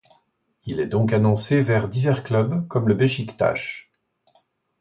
Il est donc annoncé vers divers clubs, comme le Beşiktaş.